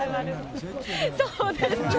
そうですね。